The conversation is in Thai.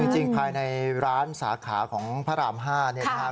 จริงภายในร้านสาขาของพระรามห้า